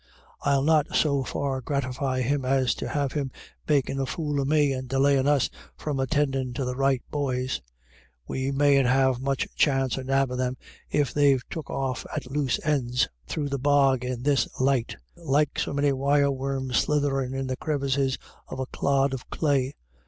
I'll not so far gratify him as to have him makin' a fool of me, and delayin' us from attendin' to the right boys. We mayn't have much chance of nabbin' them if they've took off at loose ends 128 IRISH IDYLLS. \ through the bog in this light, like so many wire worm slitherin' in the crevices of a clod of clay.